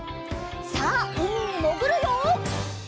さあうみにもぐるよ！